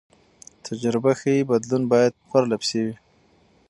تجربه ښيي بدلون باید پرله پسې وي.